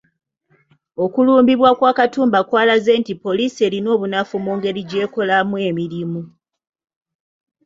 Okulumbibwa kwa Katumba kwalaze nti poliisi erina obunafu mu ngeri gy’ekolamu emirimu.